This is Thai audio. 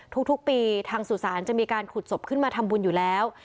ทุกปีทางสุสานจะมีการขุดศพขึ้นมาทำบุญอยู่แล้ว